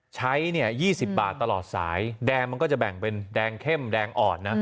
ใช้เนี่ย๒๐บาทตลอดสายแดงมันก็จะแบ่งเป็นแดงเข้มแดงอ่อนนะ